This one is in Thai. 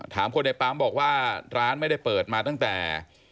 คนในปั๊มบอกว่าร้านไม่ได้เปิดมาตั้งแต่